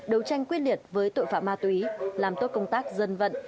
đấu tranh quyết liệt với tội phạm ma túy làm tốt công tác dân vận